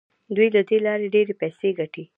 دوی له دې لارې ډیرې پیسې ګټي.